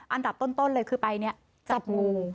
อันดับต้นเลยคือไปจับงู